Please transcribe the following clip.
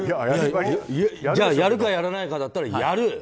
じゃあやるかやらないかだったらやる。